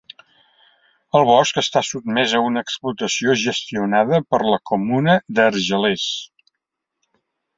El bosc està sotmès a una explotació gestionada per la comuna d'Argelers.